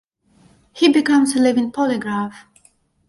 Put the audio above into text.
He becomes a living polygraph.